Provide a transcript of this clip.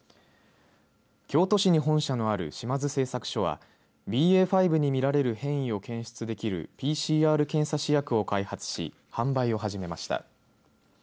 京都市に本社のある島津製作所はＢＡ．５に見られる変異を検出できるＰＣＲ検査試薬を開発し販売を始めました。